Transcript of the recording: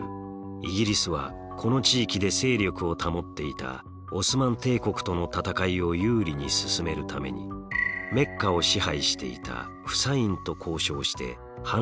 イギリスはこの地域で勢力を保っていたオスマン帝国との戦いを有利に進めるためにメッカを支配していたフサインと交渉して反乱を起こさせます。